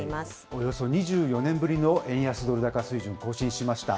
およそ２４年ぶりの円安ドル高水準、更新しました。